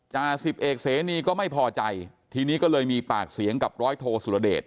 จ่าสิบเอกเสนีก็ไม่พอใจทีนี้ก็เลยมีปากเสียงกับร้อยโทสุรเดช